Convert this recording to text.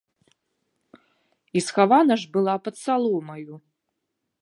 І схавана ж была пад саломаю.